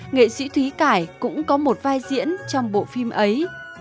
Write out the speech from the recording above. nghệ sĩ thúy cải cũng có một vai diễn trong bộ phim ấy